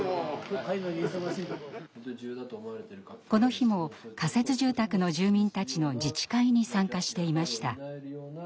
この日も仮設住宅の住民たちの自治会に参加していました。